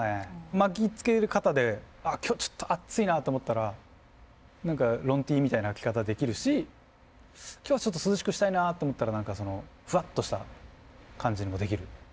巻きつけ方で今日ちょっとあっついなと思ったら何かロンＴみたいな着方できるし今日はちょっと涼しくしたいなと思ったら何かそのフワッとした感じにもできる。